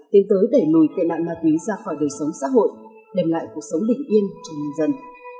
tiến tới đẩy lùi tệ nạn ma túy ra khỏi đời sống xã hội đem lại cuộc sống bình yên cho nhân dân